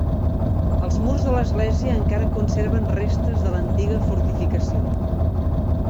Els murs de l'església encara conserven restes de l'antiga fortificació.